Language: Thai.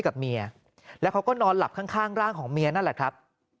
กับเมียแล้วเขาก็นอนหลับข้างร่างของเมียนั่นแหละครับ